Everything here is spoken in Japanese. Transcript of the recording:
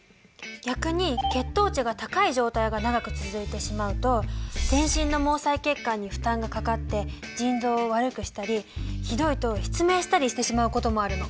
逆に血糖値が高い状態が長く続いてしまうと全身の毛細血管に負担がかかって腎臓を悪くしたりひどいと失明したりしてしまうこともあるの。